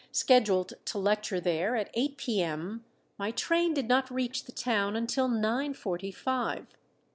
Scheduled to lecture there at eight P.M., my train did not reach the town until nine forty five.